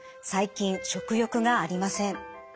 最近食欲がありません。